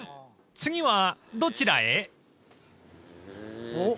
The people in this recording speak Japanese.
［次はどちらへ？］おっ！